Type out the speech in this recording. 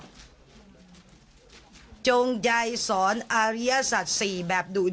แม่ของแม่ชีอู๋ได้รู้ว่าแม่ของแม่ชีอู๋ได้รู้ว่า